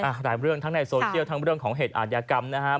หลายเรื่องทั้งในโซเชียลทั้งเรื่องของเหตุอาทยากรรมนะครับ